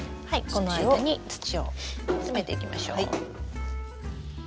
この間に土を詰めていきましょう。